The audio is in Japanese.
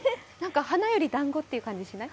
花より団子って感じしない？